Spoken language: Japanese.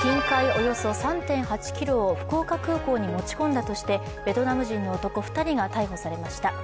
およそ３．８ｋｇを福岡空港に持ち込んだとして、ベトナム人の男２人が逮捕されました。